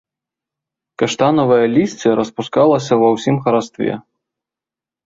Каштанавае лісце распускалася ва ўсім харастве.